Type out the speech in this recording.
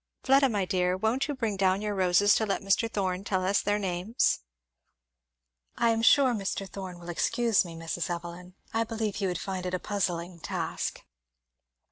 Fleda, my dear, won't you bring down your roses to let Mr. Thorn tell us their names?" "I am sure Mr. Thorn will excuse me, Mrs. Evelyn I believe he would find it a puzzling task."